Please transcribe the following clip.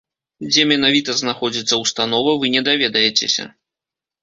Дзе менавіта знаходзіцца установа, вы не даведаецеся.